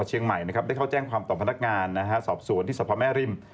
ในเชียงใหม่ได้เข้าแจ้งความต่อพนักงานสอบส่วนที่สภาแม่ริม